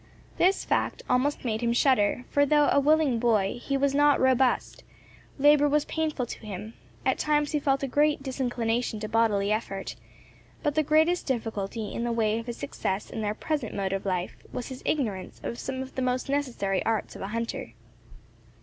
This fact almost made him shudder, for though a willing boy, he was not robust; labour was painful to him; at times he felt a great disinclination to bodily effort, but the greatest difficulty in the way of his success in their present mode of life, was his ignorance of some of the most necessary arts of a hunter.